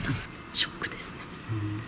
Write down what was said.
ショックですね。